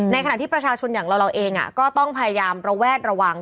ขณะที่ประชาชนอย่างเราเองก็ต้องพยายามระแวดระวัง